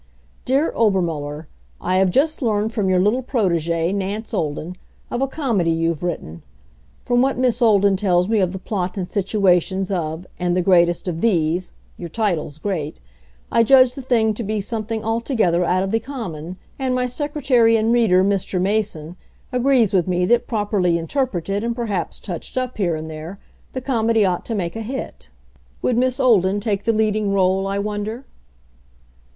Dear Obermuller: I have just learned from your little protegee, Nance Olden, of a comedy you've written. From what Miss Olden tells me of the plot and situations of And the Greatest of These your title's great I judge the thing to be something altogether out of the common; and my secretary and reader, Mr. Mason, agrees with me that properly interpreted and perhaps touched up here and there, the comedy ought to make a hit. Would Miss Olden take the leading role, I wonder?